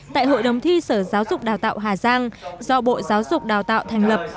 tại hội đồng thi sở giáo dục đào tạo hà giang do bộ giáo dục đào tạo thành lập